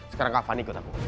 sekarang kak fani ikut aku